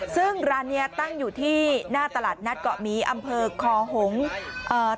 ซึ่งร้านเนี้ยตั้งอยู่ที่หน้าตลาดนัดเกาะหมีอำเภอคอหงษ์เอ่อ